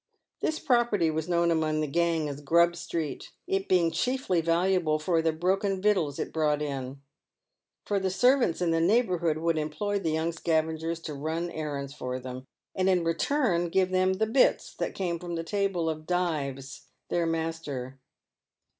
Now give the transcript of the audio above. This property was known among the gang as Grub street, it being chiefly valuable for the " broken victuals" it brought in ; for the servants in the neighbour hood would employ the young scavengers to run errands for them, and in return give them " the bits" that came from the table of Dives, their master.